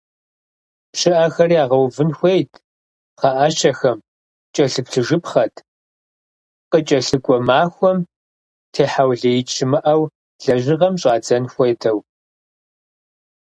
ПщыӀэхэр ягъэувын хуейт, пхъэӀэщэхэм кӀэлъыплъыжыпхъэт, къыкӀэлъыкӀуэ махуэм техьэулеикӀ щымыӀэу лэжьыгъэм щӀадзэн хуэдэу.